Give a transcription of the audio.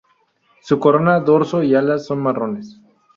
Su corona, dorso y alas son marrones.